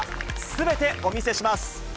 すべてお見せします。